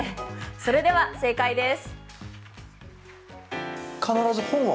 それでは正解です。